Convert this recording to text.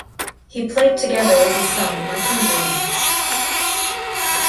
He played together with his son, Martin Bryn.